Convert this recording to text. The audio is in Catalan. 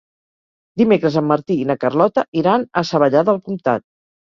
Dimecres en Martí i na Carlota iran a Savallà del Comtat.